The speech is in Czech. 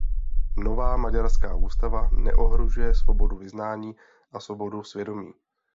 Nová maďarská ústava neohrožuje svobodu vyznání a svobodu svědomí.